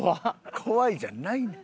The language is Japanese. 「怖い」じゃないねん。